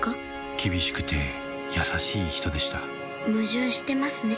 厳しくて優しい人でした矛盾してますね